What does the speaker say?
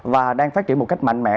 và đang phát triển một cách mạnh mẽ